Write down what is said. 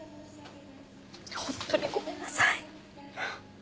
ホントにごめんなさい。